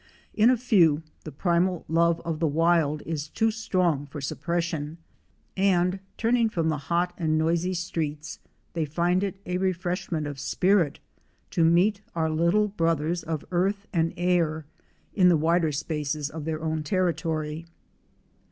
In a few the primal love of the wild is too strong for suppression, and turning from the hot and noisy streets they find it a refreshment of spirit to meet our little brothers of earth and air in the wider spaces of their own territory.